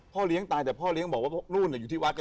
เลี้ยงตายแต่พ่อเลี้ยงบอกว่านู่นอยู่ที่วัด